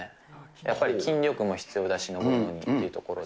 やっぱり筋力も必要だし、登るのにっていうところで。